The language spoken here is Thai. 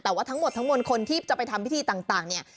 แต่ว่าทั้งหมดทั้งมวลคนที่จะไปทำพิธีต่างเนี่ย